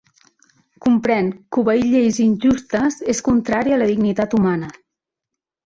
Comprèn que obeir lleis injustes és contrari a la dignitat humana.